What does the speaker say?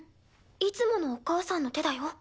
いつものお母さんの手だよ。